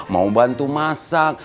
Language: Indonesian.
mau bantu masak